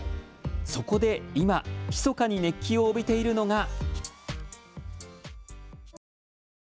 そこで今、ひそかに熱気を帯びているのが。